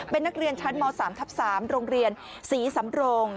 เป็นนักเรียนชั้นม๓ทับ๓โรงเรียนศรีสำโรง